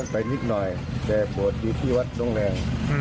ไปนิดหน่อยแต่บวชอยู่ที่วัดน้องแรง